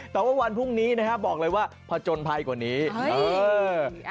แต่ว่าวันพรุ่งนี้นะครับบอกเลยว่าผจญภัยกว่านี้เออ